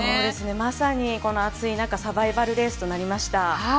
まさに暑い中、サバイバルレースとなりました。